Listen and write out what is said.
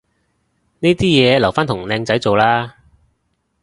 呢啲嘢留返同靚仔做啦